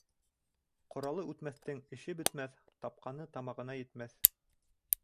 Ҡоралы үтмәҫтең эше бөтмәҫ, тапҡаны тамағына етмәҫ.